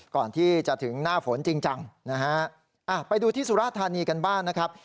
ก่อนที่จะถึงหน้าฝนจริงจังนะฮะไปดูที่สุราธานีกันบ้างนะครับ